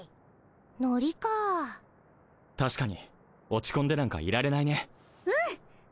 ノリかぁ確かに落ち込んでなんかいられないねうん！